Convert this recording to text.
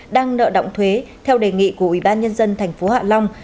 đang nợ động thuế theo đề nghị của ubnd tp hạ long